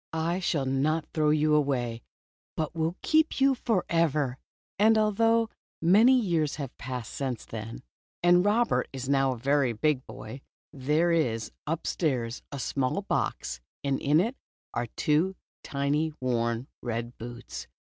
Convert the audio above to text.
I shall not throw you away, but will keep you forever." And although many years have passed since then, and Robert is now a very big boy, there is upstairs a small box and in it are two tiny worn red boots.